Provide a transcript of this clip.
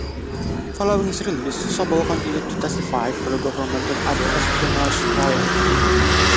Following his release, Soble continued to testify for the government in other espionage trials.